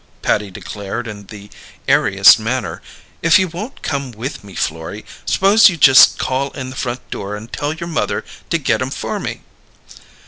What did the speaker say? Patty declared in the airiest manner. "If you won't come with me, Florrie, s'pose you just call in the front door and tell your mother to get 'em for me."